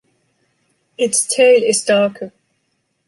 Its tail is darker.